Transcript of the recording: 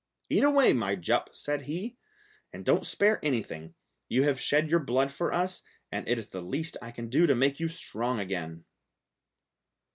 "Eat away, my Jup," said he, "and don't spare anything; you have shed your blood for us, and it is the least I can do to make you strong again!"